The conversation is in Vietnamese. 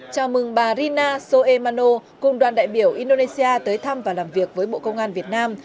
chào mừng bà rina soe mano cùng đoàn đại biểu indonesia tới thăm và làm việc với bộ công an việt nam